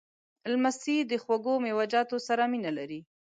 لمسی د خوږو میوهجاتو سره مینه لري.